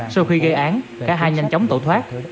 sau khi gây án cả hai nhanh chóng tẩu thoát